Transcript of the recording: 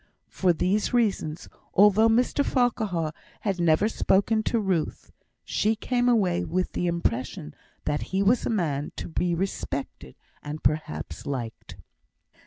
For these reasons, although Mr Farquhar had never spoken to Ruth, she came away with the impression that he was a man to be respected, and perhaps liked.